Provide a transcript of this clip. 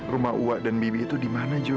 rumah uak dan bibi itu dimana jo